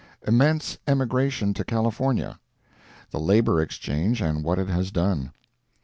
Immense Emigration to California—The Labor Exchange, and What It Has Done.